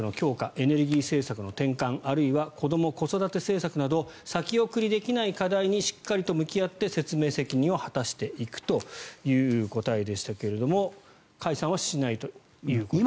エネルギー政策の転換あるいは子ども・子育て政策など先送りできない課題にしっかりと向き合って説明責任を果たしていくという答えでしたが解散はしないということです。